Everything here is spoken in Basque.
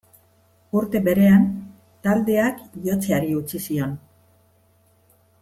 Urte berean, taldeak jotzeari utzi zion.